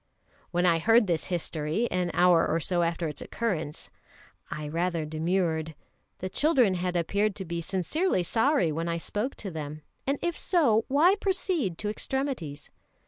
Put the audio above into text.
When I heard this history, an hour or so after its occurrence, I rather demurred. The children had appeared to be sincerely sorry when I spoke to them, and if so, why proceed to extremities?